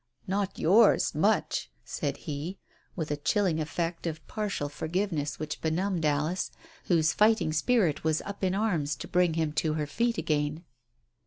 " Not yours — much !" said he, with a chilling effect of partial forgiveness which benumbed Alice, whose fighting spirit was up in arms to bring him to her feet again.